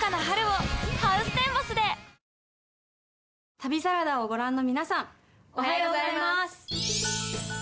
旅サラダをご覧の皆さん、おはようございます。